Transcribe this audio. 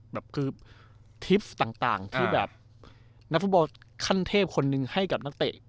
แบบคือทริปต่างที่แบบนักฟุตบอลขั้นเทพคนหนึ่งให้กับนักเตะ